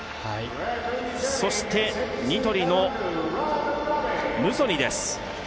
そしてニトリのムソニです。